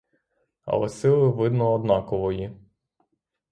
Але сили, видно, однакової.